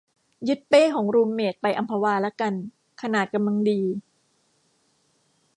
ยึดเป้ของรูมเมทไปอัมพวาละกัน ขนาดกำลังดี